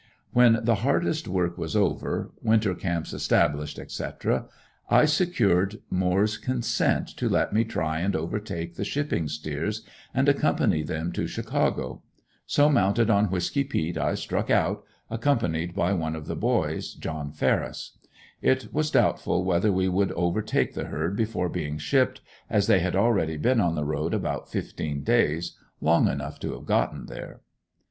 When the hardest work was over winter camps established, etc., I secured Moore's consent to let me try and overtake the shipping steers, and accompany them to Chicago. So mounted on Whisky peet I struck out, accompanied by one of the boys, John Farris. It was doubtful whether we would overtake the herd before being shipped, as they had already been on the road about fifteen days, long enough to have gotten there.